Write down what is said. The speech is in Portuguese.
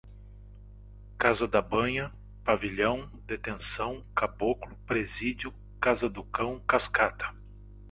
casa da banha, pavilhão, detenção, caboclo, presídio, casa do cão, cascata